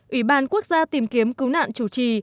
ủy ban quốc gia tìm kiếm cứu nạn chủ trì